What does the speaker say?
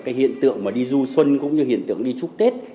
cái hiện tượng mà đi du xuân cũng như hiện tượng đi chúc tết